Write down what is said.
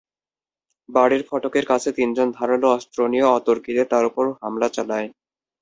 বাড়ির ফটকের কাছে তিনজন ধারালো অস্ত্র নিয়ে অতর্কিতে তাঁর ওপর হামলা চালায়।